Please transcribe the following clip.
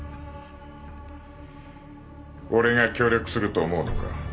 俺が協力すると思うのか？